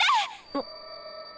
あっ。